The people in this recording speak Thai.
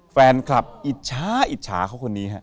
แฟนคลับอิจฉาอิจฉาเขาคนนี้ฮะ